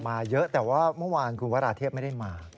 เยอะแต่ว่าเมื่อวานคุณวราเทพไม่ได้มา